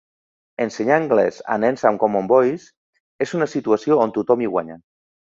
Ensenyar anglès a nens amb Common Voice és una situació on tothom hi guanya.